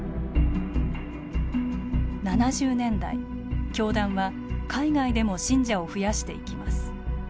７０年代教団は海外でも信者を増やしていきます。